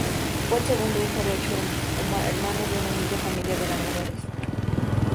Fue el segundo hijo de ocho hermanos, de una humilde familia de labradores.